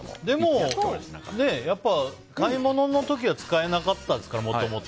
でも、もともと買い物の時は使えなかったですから。